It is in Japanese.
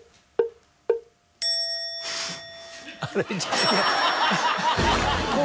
フッ。